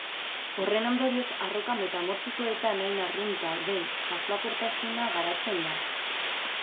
Horren ondorioz, arroka metamorfikoetan hain arrunta den xaflakortasuna garatzen da.